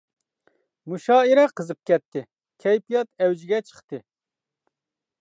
مۇشائىرە قىزىپ كەتتى، كەيپىيات ئەۋجىگە چىقتى.